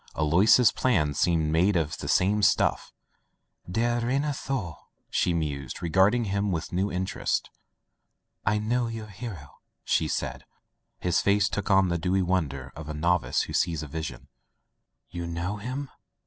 Alois's plan seemed made of the same stuff "Der reiner Thor," she mused, regarding him with new interest, "I know your hero/' she said. His face took on the dewy wonder of a novice who sees a vision. "You know— him?"